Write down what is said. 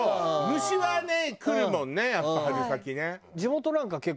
虫はね来るもんねやっぱ春先ね。